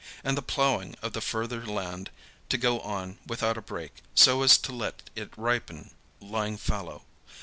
And the ploughing of the further land to go on without a break so as to let it ripen lying fallow.